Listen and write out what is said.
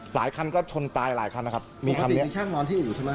หลายคันก็ชนตายหลายคันนะครับปกติมีช่างนอนที่อู่ใช่ไหม